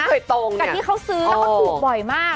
ถึงที่เขาซื้อขูบบ่อยมาก